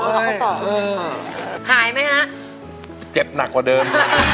หายไหมฮะเจ็บหนักกว่าเดิม